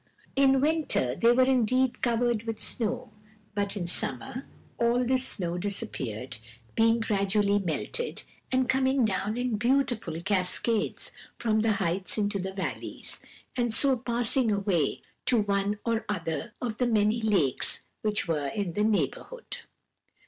In winter they were indeed covered with snow, but in summer all this snow disappeared, being gradually melted, and coming down in beautiful cascades from the heights into the valleys, and so passing away to one or other of the many lakes which were in the neighbourhood.